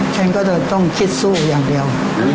ฉันก็จะต้องคิดสู้อย่างเดียว